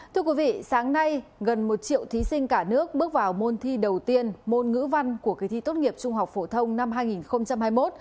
thưa quý vị sáng nay gần một triệu thí sinh cả nước bước vào môn thi đầu tiên môn ngữ văn của kỳ thi tốt nghiệp trung học phổ thông năm hai nghìn hai mươi một